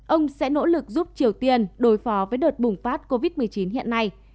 ông sẽ nỗ lực giúp triều tiên đối phó với đợt bùng phát covid một mươi chín hiện nay